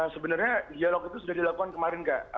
sebenarnya dialog itu sudah dilakukan kemarin kak